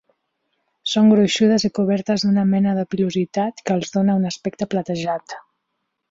Són gruixudes i cobertes d'una mena de pilositat que els dóna un aspecte platejat.